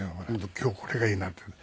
「今日これがいいな」ってね。